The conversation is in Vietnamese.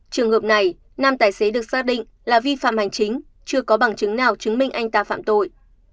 trường hợp này nam tài xế được xác định là vi phạm hành chính chưa có bằng chứng nào chứng minh anh ta phạm tội